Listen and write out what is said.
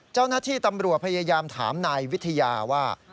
เจ้าหน้าที่ตำรวจพยายามถามนายวิทยาว่า